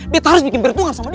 beta harus bikin berdoa sama dia